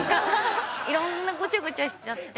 いろんなごちゃごちゃしちゃって。